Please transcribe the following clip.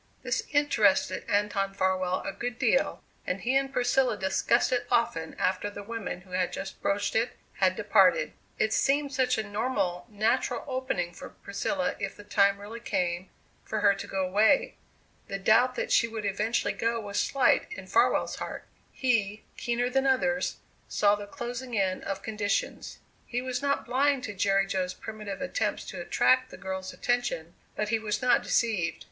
This interested Anton Farwell a good deal and he and Priscilla discussed it often after the woman who had just broached it had departed. It seemed such a normal, natural opening for Priscilla if the time really came for her to go away. The doubt that she would eventually go was slight in Farwell's heart. He, keener than others, saw the closing in of conditions. He was not blind to Jerry Jo's primitive attempts to attract the girl's attention, but he was not deceived.